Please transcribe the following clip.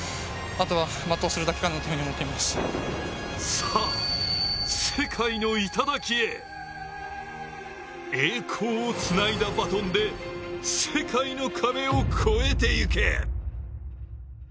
さあ世界の頂へ、栄光をつないだバトンで世界の壁を超えていけ。